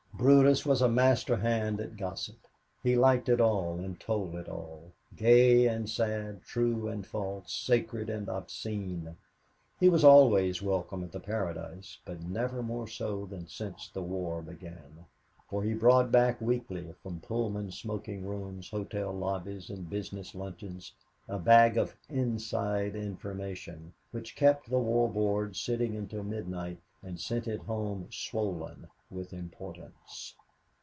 Brutus was a master hand at gossip. He liked it all, and told it all gay and sad, true and false, sacred and obscene. He was always welcome at the Paradise, but never more so than since the war began, for he brought back weekly from Pullman smoking rooms, hotel lobbies and business lunches a bag of "inside information" which kept the War Board sitting until midnight and sent it home swollen with importance.